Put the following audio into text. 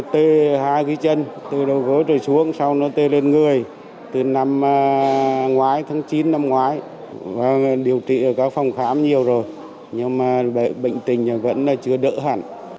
theo các chuyên gia